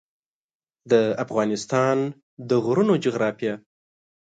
د افغانستان د غرونو جغرافیه